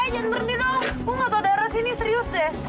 eh jangan berhenti dong gue gak tau daerah sini serius deh